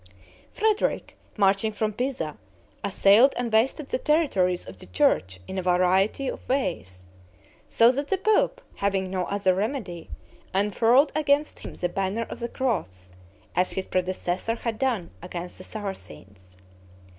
Frederick, marching from Pisa, assailed and wasted the territories of the church in a variety of ways; so that the pope, having no other remedy, unfurled against him the banner of the cross, as his predecessor had done against the Saracens.